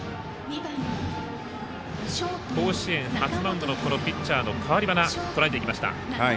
甲子園初マウンドの代わり端とらえていきました。